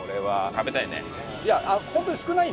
食べたいね！